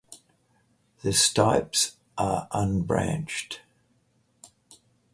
The stipes are unbranched.